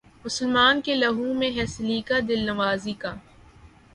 مسلماں کے لہو میں ہے سلیقہ دل نوازی کا